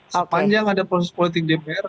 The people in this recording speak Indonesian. sepanjang ada proses politik dpr